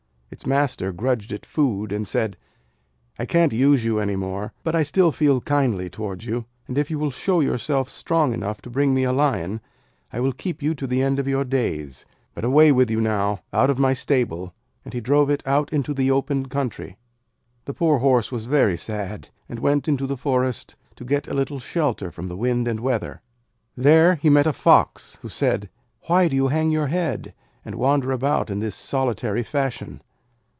Its master grudged it food, and said: 'I can't use you any more, but I still feel kindly towards you, and if you show yourself strong enough to bring me a Lion I will keep you to the end of your days. But away with you now, out of my stable'; and he drove it out into the open country. The poor Horse was very sad, and went into the forest to get a little shelter from the wind and weather. There he met a Fox, who said: 'Why do you hang your head, and wander about in this solitary fashion?'